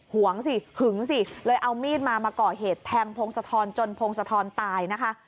วงสิหึงสิเลยเอามีดมามาก่อเหตุแทงพงศธรจนพงศธรตายนะคะ